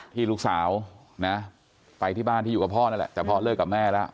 ที่ลูกสาวนะไปที่บ้านที่อยู่กับพ่อนั่นแหละแต่พ่อเลิกกับแม่แล้ว